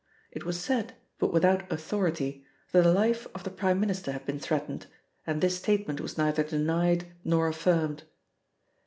It was said, but without authority, that the life of the Prime Minister had been threatened, and this statement was neither denied nor affirmed.